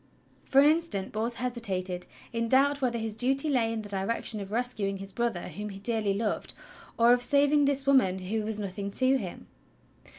For an instant Bors hesitated, in doubt whether his duty lay in the direction of rescuing his brother whom he dearly loved or of sav ing this woman who was nothing to him.